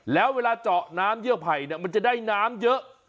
แล้วเวลาเจาะน้ำเยื่อไผ่มันจะได้น้ำเยอะ